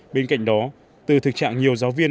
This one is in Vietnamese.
bên cạnh đó từ thực trạng nhiều giáo viên